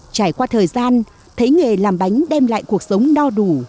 trải qua thời gian thấy nghề làm bánh đem lại cuộc sống no đủ